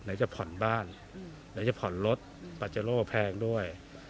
จะผ่อนบ้านไหนจะผ่อนรถปาเจโร่แพงด้วย